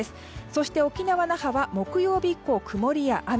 そして沖縄・那覇は木曜日以降曇りや雨。